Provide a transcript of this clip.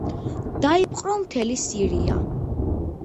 დაიპყრო მთელი სირია.